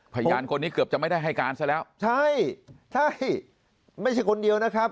พยานคนนี้เกือบจะไม่ได้ให้การซะแล้วใช่ใช่ไม่ใช่คนเดียวนะครับ